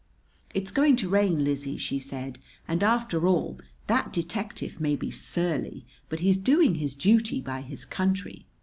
"It's going to rain, Lizzie," she said, "and after all, that detective may be surly; but he's doing his duty by his country.